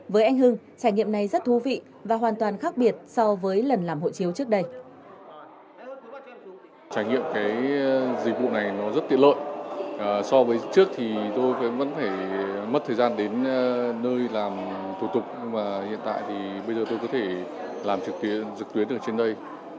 trải nghiệm này rất thú vị và hoàn toàn khác biệt so với lần làm hộ chiếu trước đây